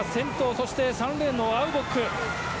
そして３レーン、アウボック。